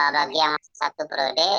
bagi yang masih satu periode